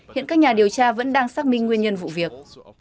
hiện các nhà điều tra vẫn đang xác minh nguyên nhân vụ việc